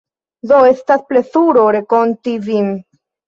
Do, estas plezuro renkonti vin